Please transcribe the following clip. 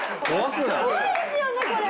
怖いですよねこれ。